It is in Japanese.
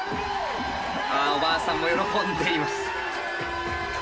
あおばあさんも喜んでいます。